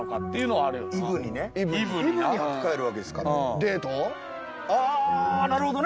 ああーなるほどね。